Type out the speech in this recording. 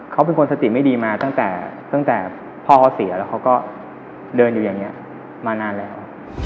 เขาเป็นคนสติไม่ดีมาตั้งแต่ตั้งแต่พ่อเขาเสียแล้วเขาก็เดินอยู่อย่างนี้มานานแล้ว